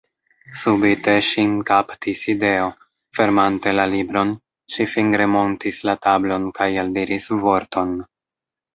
Subite ŝin kaptis ideo; fermante la libron, ŝi fingremontris la tablon kaj eldiris vorton.